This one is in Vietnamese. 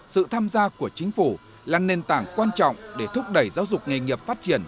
sự tham gia của chính phủ là nền tảng quan trọng để thúc đẩy giáo dục nghề nghiệp phát triển